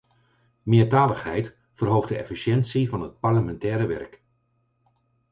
Meertaligheid verhoogt de efficiëntie van het parlementaire werk.